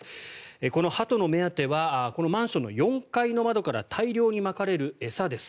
このハトの目当てはこのマンションの４階から大量にまかれる餌です。